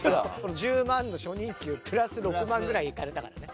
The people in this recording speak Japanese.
１０万の初任給プラス６万ぐらいいかれたからね。